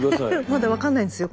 まだ分かんないんですよ。